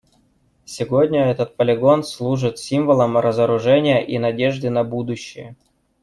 Сегодня этот полигон служит символом разоружения и надежды на будущее.